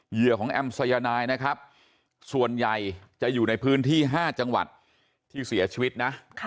เหยื่อของแอมสายนายนะครับส่วนใหญ่จะอยู่ในพื้นที่๕จังหวัดที่เสียชีวิตนะ